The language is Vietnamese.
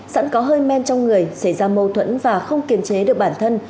sẵn có hơi men trong người xảy ra mâu thuẫn và không kiềm chế được bản thân